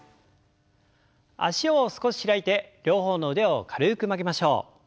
脚を少し開いて両方の腕を軽く曲げましょう。